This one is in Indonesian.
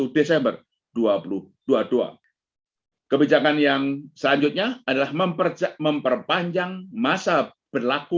desember dua ribu dua puluh dua kebijakan yang selanjutnya adalah memperpanjang masa berlaku